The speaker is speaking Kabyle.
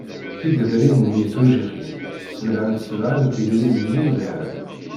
Tigedrin-nni tujjixin sbelɛent sebɛa n tgedrin-nni yelhan.